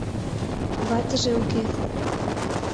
Ватыже уке.